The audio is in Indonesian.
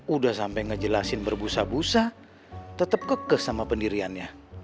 udah sampe ngejelasin berbusa busa tetep kekes sama pendiriannya